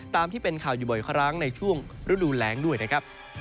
ตามที่เป็นข่าวอยู่บ่อยครั้งในช่วงฤดูแรงด้วยนะครับ